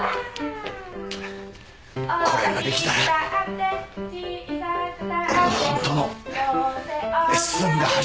これができたら俺のホントのレッスンが始まる。